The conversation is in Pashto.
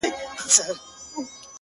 دوى خو ـ له غمه څه خوندونه اخلي ـ